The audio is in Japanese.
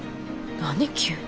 何急に。